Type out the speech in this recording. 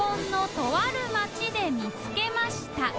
稙椶とある町で見つけました小峠）